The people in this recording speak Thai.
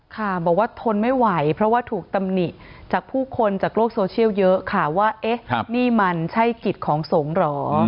ค่ะบอกว่าทนไม่ไหวเพราะว่าถูกตำหนิจากผู้คนจากโลกโซเชียลเยอะค่ะว่าเอ๊ะนี่มันใช่กิจของสงฆ์เหรอ